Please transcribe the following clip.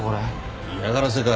嫌がらせか。